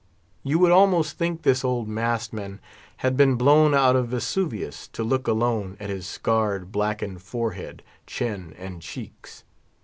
You would almost think this old mast man had been blown out of Vesuvius, to look alone at his scarred, blackened forehead, chin, and cheeks.